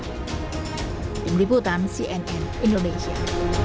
dari liputan cnn indonesia